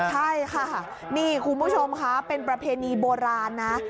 ใช่ค่ะนี่คุณผู้ชมค่ะเป็นประเพณีโบราณนะ